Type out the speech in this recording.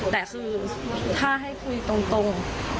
แต่คือถ้าให้คุยตรง